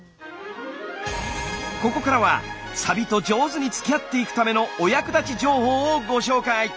ここからはサビと上手につきあっていくためのお役立ち情報をご紹介。